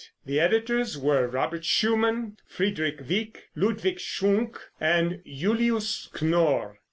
The editors were Robert Schumann, Friedrich Wieck, Ludwig Schunke and Julius Knorr.